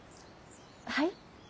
はい？